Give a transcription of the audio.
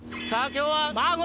今日は。